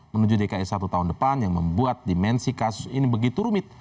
menuju dki satu tahun depan yang membuat dimensi kasus ini begitu rumit